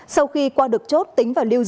sau khi qua được chốt tính và lưu di chuyển